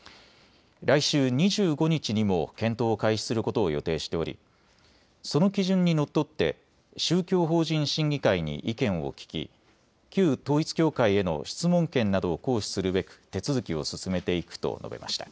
来週２５日にも検討を開始することを予定しておりその基準にのっとって宗教法人審議会に意見を聞き旧統一教会への質問権などを行使するべく手続きを進めていくと述べました。